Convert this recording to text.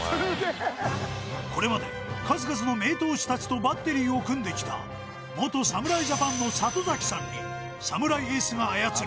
これまで数々の名投手達とバッテリーを組んできた元侍ジャパンの里崎さんにサムライエースが操る